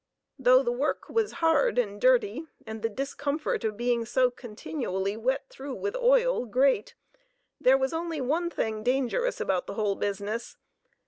Though the work was hard and dirty, and the discomfort of being so continually wet through with oil great, there was only one thing dangerous about the whole business.